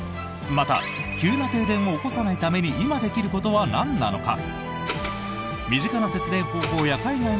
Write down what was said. また、急な停電を起こさないために今できることはなんなのか。